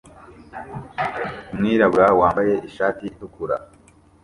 Umwirabura wambaye ishati itukura